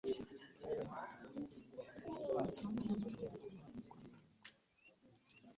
Ensonga y'amafuta tesobola kuggwa mangu.